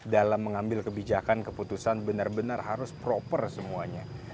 dalam mengambil kebijakan keputusan benar benar harus proper semuanya